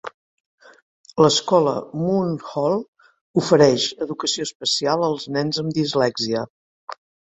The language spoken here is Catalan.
L'Escola Moon Hall ofereix educació especial als nens amb dislèxia.